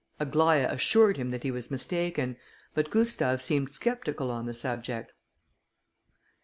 Aglaïa assured him that he was mistaken; but Gustave seemed sceptical on the subject.